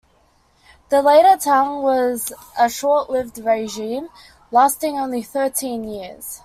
The Later Tang was a short-lived regime, lasting only thirteen years.